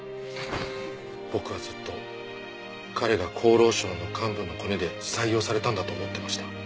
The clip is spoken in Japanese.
僕はずっと彼が厚労省の幹部のコネで採用されたんだと思ってました。